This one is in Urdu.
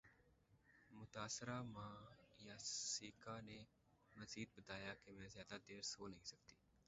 متاثرہ ماں یاسیکا نے مزید بتایا کہ میں زیادہ دیر سو نہیں سکتی